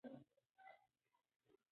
ایا تاسي پوهېږئ چې څنګه توپ وهل کیږي؟